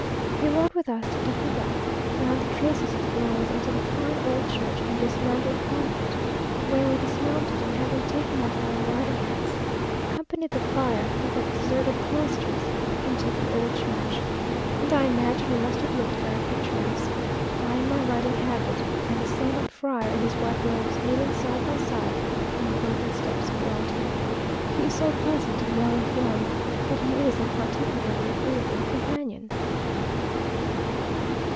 He rode with us to Tacuba, round the traces of the ruins, and to the fine old church and dismantled convent, where we dismounted, and having taken off our riding hats, accompanied the prior through the deserted cloisters into the old church; and I imagine we must have looked very picturesque; I in my riding habit, and the sandalled friar in his white robes, kneeling side by side, on the broken steps of the altar. He is so pleasant and well informed, that he is a particularly agreeable companion.